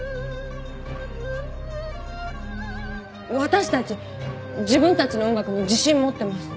私たち自分たちの音楽に自信持ってます